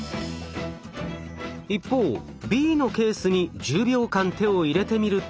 一方Ｂのケースに１０秒間手を入れてみると。